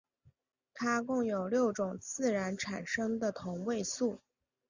它共有六种自然产生的同位素。